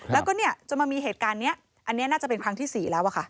แล้วก็จนมามีเหตุการณ์นี้อันนี้น่าจะเป็นครั้งที่๔แล้วอะค่ะ